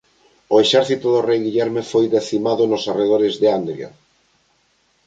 O exército do rei Guillerme foi decimado nos arredores de Andria.